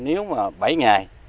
nếu mà bảy ngày